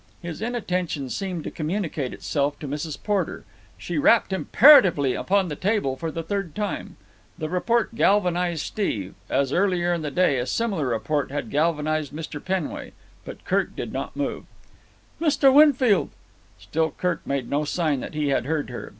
His inattention seemed to communicate itself to Mrs. Porter. She rapped imperatively upon the table for the third time. The report galvanized Steve, as, earlier in the day, a similar report had galvanized Mr. Penway; but Kirk did not move. "Mr. Winfield!" Still Kirk made no sign that he had heard her.